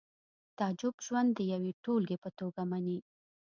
تعجب ژوند د یوې ټولګې په توګه مني